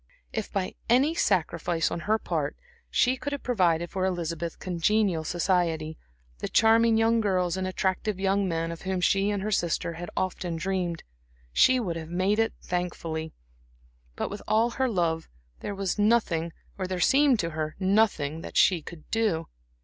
If by any sacrifice on her part she could have provided for Elizabeth congenial society the charming young girls and attractive young men of whom she and her sister had often dreamed she would have made it thankfully; but with all her love, there was nothing or there seemed to her nothing that she could do.